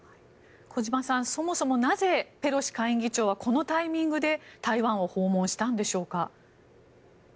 小島さん、そもそもなぜ、ペロシ下院議長はこのタイミングで台湾を訪問したんでしょうか。